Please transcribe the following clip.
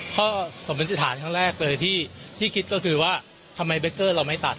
ข้อสมมุติฐานครั้งแรกเลยที่คิดก็คือว่าทำไมเบคเกอร์เราไม่ตัด